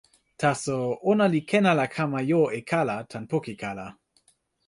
taso, ona li ken ala kama jo e kala tan poki kala.